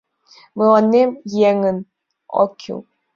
— Мылам еҥын ок кӱл.